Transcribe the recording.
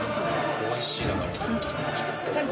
おいしいだから。